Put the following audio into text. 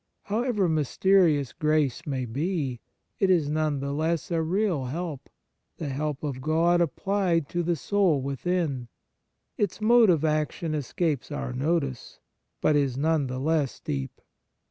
However mysterious grace may be, it is none the less a real help, the help of God applied to the soul within ; its mode of action escapes our notice, but is none the less deep.